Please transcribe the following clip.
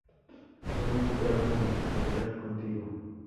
Actualmente trabaja en "Despertar contigo".